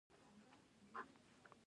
بل ځما په ګوګل اور وي